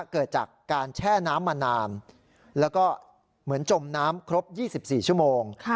เกิดจากการแช่น้ำมานานแล้วก็เหมือนจมน้ำครบ๒๔ชั่วโมง